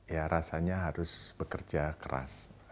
ya rasanya harus bekerja keras